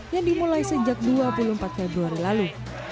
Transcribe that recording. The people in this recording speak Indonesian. yang dimulai sejak dua puluh empat februari lalu